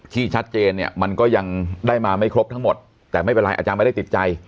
ที่ชัดเจนเนี่ยมันก็ยังได้มาไม่ครบทั้งหมดแต่ไม่เป็นไรอาจารย์ไม่ได้ติดใจ